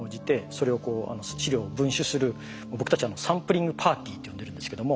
研究者の僕たち「サンプリングパーティー」って呼んでるんですけども。